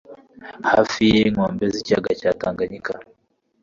hafi y'inkombe z'Ikiyaga cya Tanganyika